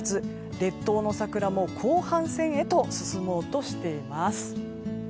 列島の桜も後半戦へと進もうとしています。